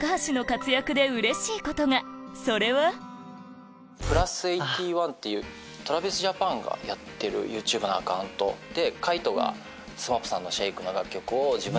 それはＴｒａｖｉｓＪａｐａｎがやってるＹｏｕＴｕｂｅのアカウントで。